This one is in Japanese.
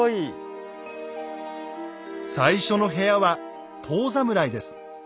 最初の部屋は「遠侍」です。